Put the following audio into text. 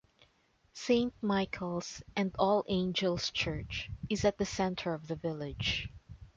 Saint Michael's and All Angels' Church is at the centre of the village.